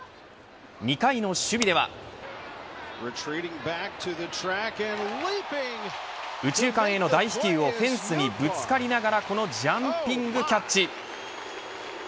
２回の守備では右中間への大飛球をフェンスにぶつかりながらこのジャンピングキャッチ。